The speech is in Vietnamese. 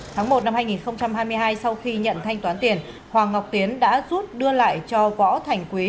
tháng một năm hai nghìn hai mươi hai sau khi nhận thanh toán tiền hoàng ngọc tiến đã rút đưa lại cho võ thành quý